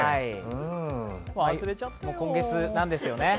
今月なんですよね。